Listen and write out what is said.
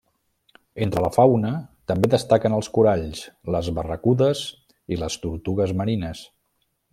Entre la fauna també destaquen els coralls, les barracudes i les tortugues marines.